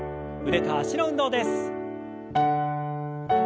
腕と脚の運動です。